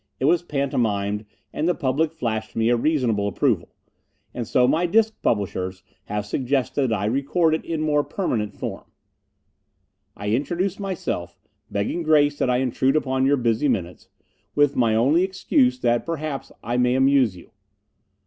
It was pantomimed and the public flashed me a reasonable approval. And so my disc publishers have suggested that I record it in more permanent form. I introduce myself, begging grace that I intrude upon your busy minutes, with my only excuse that perhaps I may amuse you.